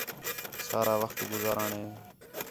سارا وخت گُزارݨ ہِے